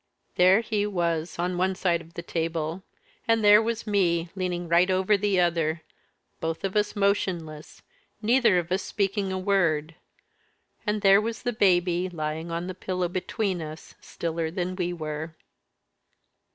There he was on one side of the table and there was me leaning right over the other, both of us motionless, neither of us speaking a word; and there was the baby lying on the pillow between us, stiller than we were.